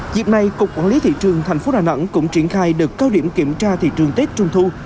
dịp này cục quản lý thị trường thành phố đà nẵng cũng triển khai được cao điểm kiểm tra thị trường tết trung thu